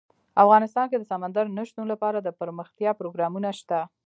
افغانستان کې د سمندر نه شتون لپاره دپرمختیا پروګرامونه شته.